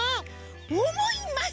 おもいます！